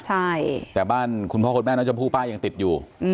ใช่แต่บ้านคุณพ่อคุณแม่น้องชมพู่ป้ายังติดอยู่